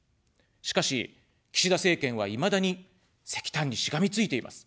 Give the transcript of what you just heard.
しかし、岸田政権はいまだに石炭にしがみついています。